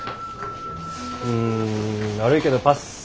うん悪いけどパス。